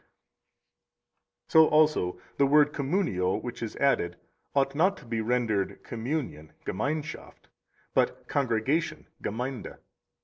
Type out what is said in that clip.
49 So also the word communio, which is added, ought not to be rendered communion (Gemeinschaft), but congregation (Gemeinde).